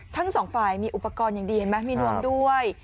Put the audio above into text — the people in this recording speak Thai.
ทั้งสองฝ่ายมีอุปกรณ์อย่างดีเห็นไหมมีนวมด้วย